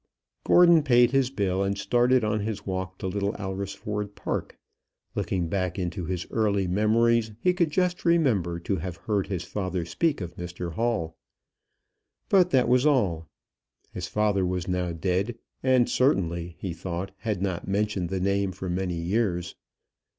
Gordon paid his bill, and started on his walk to Little Alresford Park. Looking back into his early memories, he could just remember to have heard his father speak of Mr Hall. But that was all. His father was now dead, and, certainly, he thought, had not mentioned the name for many years.